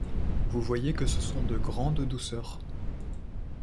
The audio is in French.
Vous voyez que ce sont de grandes douceurs.